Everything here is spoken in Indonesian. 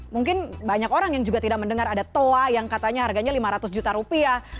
mungkin banyak orang yang juga tidak mendengar ada toa yang katanya harganya lima ratus juta rupiah